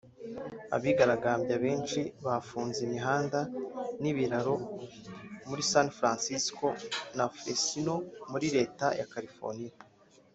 Abigaragambya benshi bafunze imihanda n’ibiraro muri San Francisco na Fresno muri Leta ya California